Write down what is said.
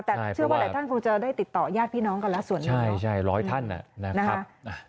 แต่เชื่อว่าหลายท่านคงจะได้ติดต่อยาดพี่น้องกันแล้วส่วนหนึ่งใช่ใช่ร้อยท่านนะครับ